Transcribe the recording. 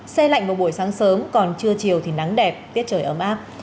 xe lạnh vào buổi sáng sớm còn trưa chiều thì nắng đẹp tiết trời ấm áp